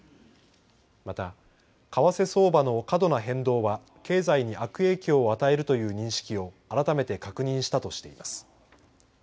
また、為替相場の過度な変動は経済に悪影響を与えるという認識を改めて確認したとしています。